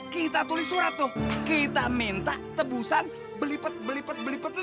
kita tulis surat tuh kita minta tebusan belipet belipet